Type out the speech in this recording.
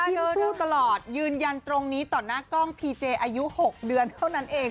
สู้ตลอดยืนยันตรงนี้ต่อหน้ากล้องพีเจอายุ๖เดือนเท่านั้นเอง